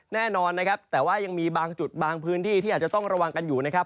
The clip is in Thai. แน่นอนนะครับแต่ว่ายังมีบางจุดบางพื้นที่ที่อาจจะต้องระวังกันอยู่นะครับ